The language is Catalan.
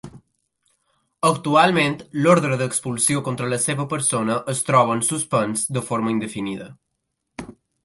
Actualment, l'ordre d'expulsió contra la seva persona es troba en suspens de forma indefinida.